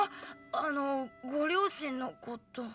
あのご両親のこと。